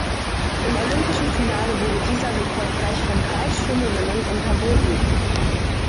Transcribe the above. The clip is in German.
Im Olympischen Finale wurde dieser Rekord gleich von drei Schwimmerinnen unterboten.